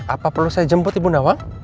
apa perlu saya jemput ibu nawa